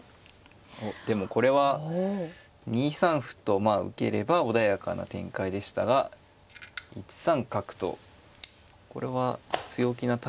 おっでもこれは２三歩とまあ受ければ穏やかな展開でしたが１三角とこれは強気な対応に感じますね。